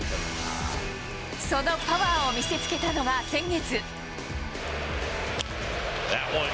そのパワーを見せつけたのが先月。